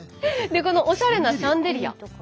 このおしゃれなシャンデリア。